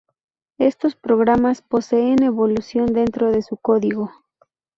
Estos programas poseen evolución dentro de su código.